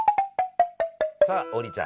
さあ王林ちゃん。